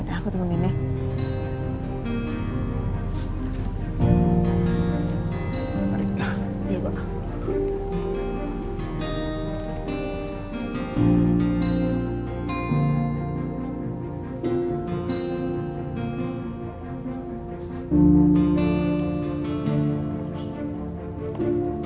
ya dah aku tunggu nanti